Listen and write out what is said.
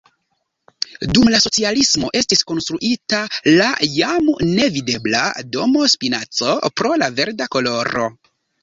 Dum la socialismo estis konstruita la jam nevidebla "Domo Spinaco" pro la verda koloro.